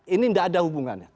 ini tidak ada hubungannya